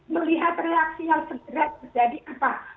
melihat reaksi yang segera terjadi apa